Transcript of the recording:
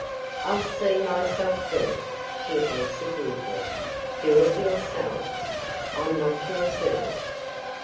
'I'll see myself further,' she answered rudely. 'Do it yourselves; I'm not your servant.